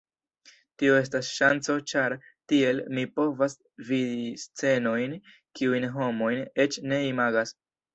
Tio estas ŝanco ĉar, tiel, mi povas vidi scenojn kiujn homojn eĉ ne imagas.